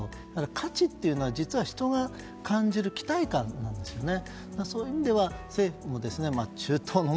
価値っていうのは実は人が感じる期待感なんですね。